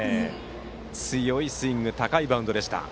強いスイング高いバウンドでした。